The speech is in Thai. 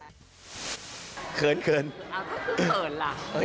อ้าวถ้าคือเขินล่ะ